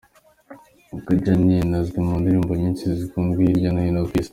Khadja Nin azwi mu ndirimbo nyinshi zikunzwe hirya no hino ku Isi.